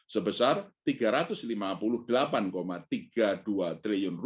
sebesar rp tiga ratus lima puluh delapan tiga puluh dua triliun